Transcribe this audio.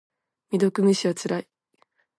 未読無視はつらい。